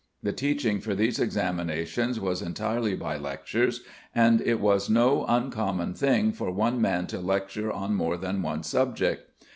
The teaching for these examinations was entirely by lectures, and it was no uncommon thing for one man to lecture on more than one subject.